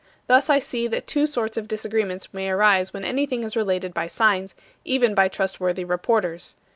Thus I see that two sorts of disagreements may arise when anything is related by signs, even by trustworthy reporters.